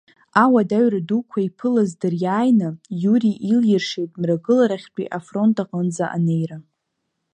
Ауадаҩра дуқәа иԥылаз дыриааины Иури илиршеит Мрагыларахьтәи афронт аҟынӡа анеира.